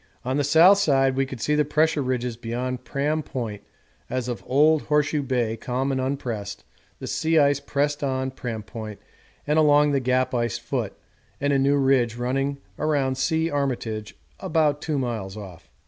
On the south side we could see the Pressure Ridges beyond Pram Point as of old Horseshoe Bay calm and unpressed the sea ice pressed on Pram Point and along the Gap ice foot, and a new ridge running around C. Armitage about 2 miles off.